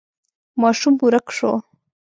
ماشوم ورک شو.